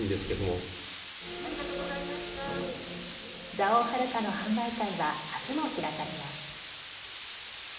蔵王はるかの販売会はあすも開かれます。